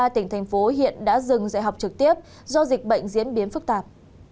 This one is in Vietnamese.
ba tỉnh thành phố hiện đã dừng dạy học trực tiếp do dịch bệnh diễn biến phức tạp